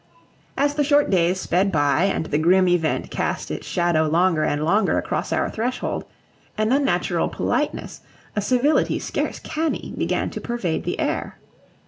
As the short days sped by and the grim event cast its shadow longer and longer across our threshold, an unnatural politeness, a civility scarce canny, began to pervade the air.